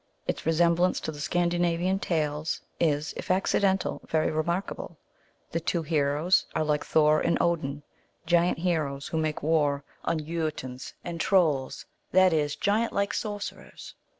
Its resemblance to the Scan dinavian tales is, if accidental, very remarkable. The two heroes are, like Thor and Odin, giant heroes who make war on Jotuns and Trolls; that is, giant like sorcerers.